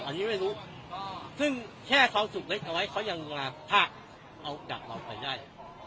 อันนี้ไม่รู้ซึ่งแค่เขาสุขเล็กน้อยเขายังมาพากเจ้ากัดเราไปได้